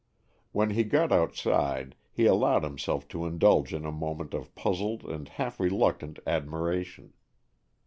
When he got outside, he allowed himself to indulge in a moment of puzzled and half reluctant admiration.